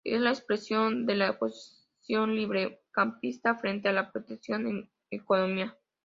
Es la expresión de la posición librecambista frente a la proteccionista en economía.